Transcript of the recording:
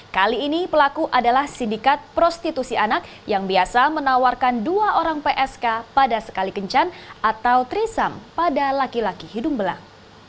kali ini pelaku adalah sindikat prostitusi anak yang biasa menawarkan dua orang psk pada sekali kencan atau trisam pada laki laki hidung belang